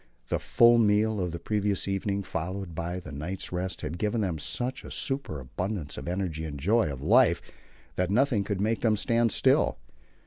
The full meal of the previous evening, followed by the night's rest, had given them such a superabundance of energy and joy of life that nothing could make them stand still.